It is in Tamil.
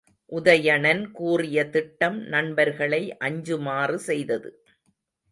உதயணன் கூறிய திட்டம் நண்பர்களை அஞ்சுமாறு செய்தது.